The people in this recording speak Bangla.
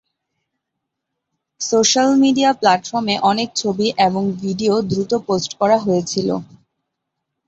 সোশ্যাল মিডিয়া প্লাটফর্মে অনেক ছবি এবং ভিডিও দ্রুত পোস্ট করা হয়েছিল।